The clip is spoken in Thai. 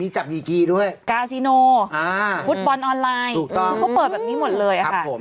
มีจับยีกีด้วยกาซิโนฟุตบอลออนไลน์เขาเปิดแบบนี้หมดเลยค่ะครับผม